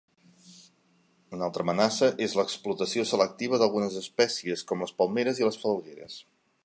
Una altra amenaça és l'explotació selectiva d'algunes espècies, com les palmeres i les falgueres.